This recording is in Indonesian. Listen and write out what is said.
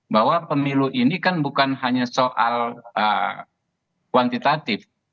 bahwa pemilu ini kan bukan hanya soal kuantitatif